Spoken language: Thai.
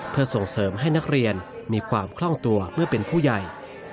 เพื่อส่งเสริมให้นักเรียนมีความคล่องตัวเมื่อเป็นผู้ใหญ่